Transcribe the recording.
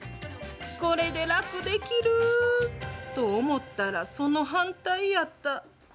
これで楽できると思ったら、その反対やった。